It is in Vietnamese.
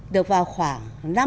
được vào khoảng